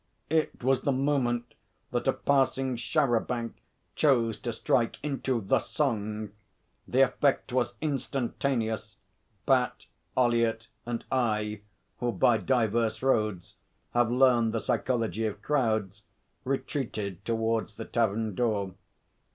It was the moment that a passing char à banc chose to strike into The Song. The effect was instantaneous. Bat, Ollyett, and I, who by divers roads have learned the psychology of crowds, retreated towards the tavern door.